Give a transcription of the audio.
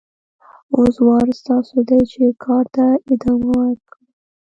اوس وار ستاسو دی چې کار ته ادامه ورکړئ.